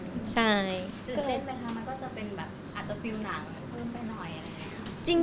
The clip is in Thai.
เกิดเล่นไหมคะมันก็จะเป็นแบบอาจจะฟิวหนังขึ้นไปหน่อยอย่างไรคะ